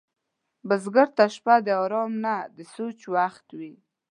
بزګر ته شپه د آرام نه، د سوچ وخت وي